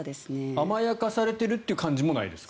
甘やかされているという感じもないですか？